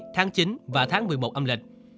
tháng chín và tháng một mươi một âm lịch